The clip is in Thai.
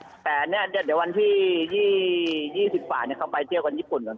ก็ไปด้วยครับแต่เดี๋ยววันที่๒๐กว่าเขาไปเที่ยวกับญี่ปุ่น